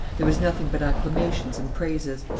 There was nothing but acclamations and praises.